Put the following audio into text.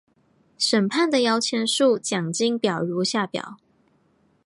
评审的摇钱树奖金表如下表。